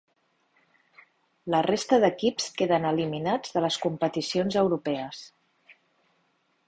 La resta d'equips queden eliminats de les competicions europees.